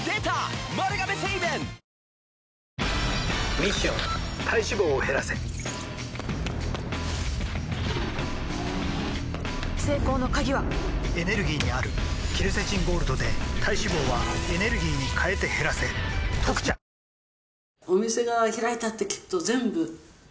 ミッション体脂肪を減らせ成功の鍵はエネルギーにあるケルセチンゴールドで体脂肪はエネルギーに変えて減らせ「特茶」リセッシュータイム！